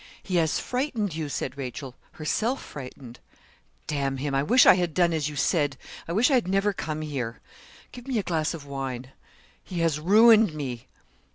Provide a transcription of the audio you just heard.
He has frightened you,' said Rachel, herself frightened. 'D him; I wish I had done as you said. I wish I had never come here. Give me a glass of wine. He has ruined me.'